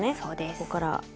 ここから。